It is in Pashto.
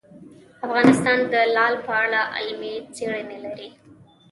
افغانستان د لعل په اړه علمي څېړنې لري.